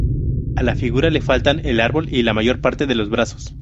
A la figura le faltan el árbol y la mayor parte de los brazos.